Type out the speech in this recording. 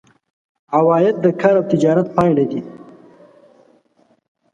عواید د کار او تجارت پایله دي.